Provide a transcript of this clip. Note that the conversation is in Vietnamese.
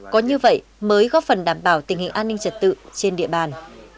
có như vậy mới góp phần đảm bảo tình hình an ninh trật tự trên địa bàn